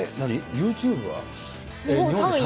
ユーチューブは？